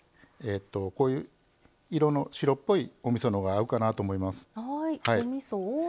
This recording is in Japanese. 色の白っぽいおみそのが合うかなと思います。